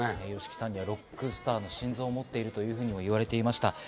ＹＯＳＨＩＫＩさんにはロックスターの心臓を持ってると言われていました。